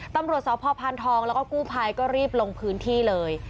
ตำรวจสพพานทองแล้วก็กู้ภัยก็รีบลงพื้นที่เลย